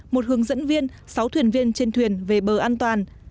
một hướng dẫn viên sáu thuyền viên trên thuyền về bờ an toàn